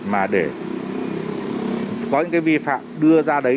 mà để có những vi phạm đưa ra đấy